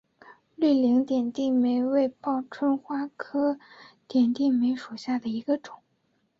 绿棱点地梅为报春花科点地梅属下的一个种。